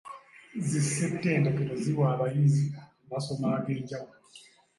Zi ssettendekero ziwa abayizi amasomo ag'enjawulo.